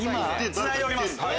つないでおります